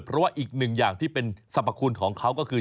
เพราะว่าอีกหนึ่งอย่างที่เป็นสรรพคุณของเขาก็คือ